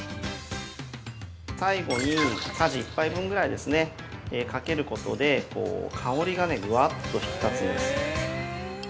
◆最後に、さじ１杯分ぐらいかけることで、香りがぐわっと引き立つんです。